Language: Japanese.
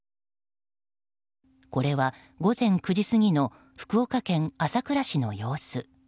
これは、午前９時過ぎの福岡県朝倉市の様子。